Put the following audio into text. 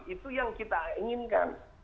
itu yang kita inginkan